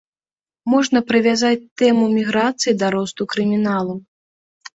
Можна прывязаць тэму міграцыі да росту крыміналу.